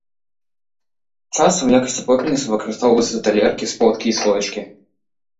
Часам у якасці попельніцы выкарыстоўваюцца талеркі, сподкі і слоічкі.